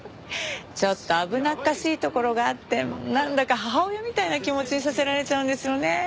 ちょっと危なっかしいところがあってなんだか母親みたいな気持ちにさせられちゃうんですよね。